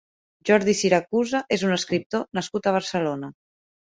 Jordi Siracusa és un escriptor nascut a Barcelona.